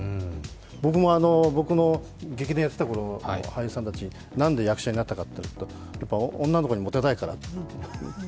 僕も、劇団をやっていたころの俳優さんたち、なんで役者になったかというと女の子にモテたいから。